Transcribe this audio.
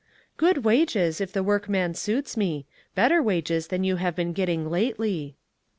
" Good . wages if the workman suits me. Better wages than you have been getting lately."